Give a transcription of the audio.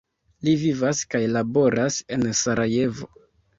Li vivas kaj laboras en Sarajevo.